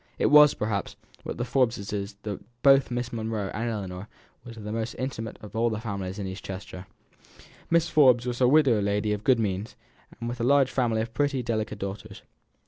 It was, perhaps, with the Forbeses that both Miss Monro and Ellinor were the most intimate of all the families in East Chester. Mrs. Forbes was a widow lady of good means, with a large family of pretty, delicate daughters.